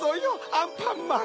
アンパンマン。